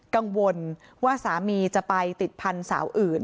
กังวลว่าสามีจะไปติดพันธุ์สาวอื่น